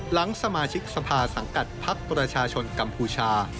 หลังสมาชิกสภาสังกัดภักดิ์ประชาชนกัมพูชา